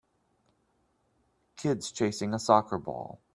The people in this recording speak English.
Kids chasing a soccer ball.